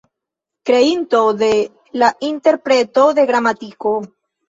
Kreinto de "La Interpreto de Gramatiko".